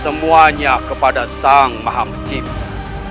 semuanya kepada sang maha mencipta